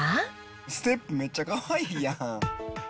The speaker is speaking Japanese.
ステップめっちゃかわいいやん。